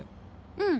うん。